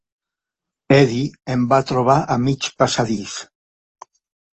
Eddie em va trobar a mig passadís.